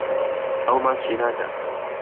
ئەو ماچی ناکات.